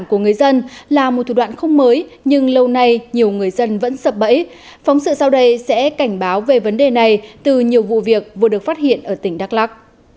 của người dân là một thủ đoạn không mới nhưng lâu nay nhiều người dân vẫn sập bẫy phóng sự sau đây sẽ cảnh báo về vấn đề này từ nhiều vụ việc vừa được phát hiện ở tỉnh đắk lắc